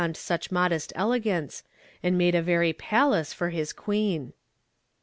l M eh „,odest elegance, and ,„ade a very nal ace for l„s queen.